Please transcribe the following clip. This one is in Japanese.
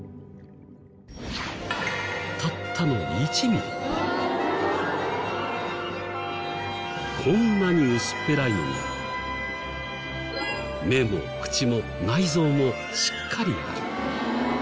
たったのこんなに薄っぺらいのに目も口も内臓もしっかりある。